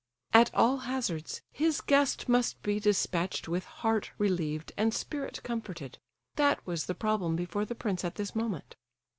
At all hazards, his guest must be despatched with heart relieved and spirit comforted; that was the problem before the prince at this moment.